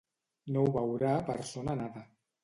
No ho veurà persona nada.